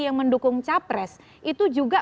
yang mendukung capres itu juga